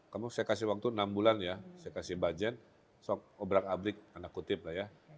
kamu saya kasih waktu enam bulan ya saya kasih budget obrak abrik tanda kutip lah ya